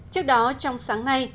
trước đó trong sáng nay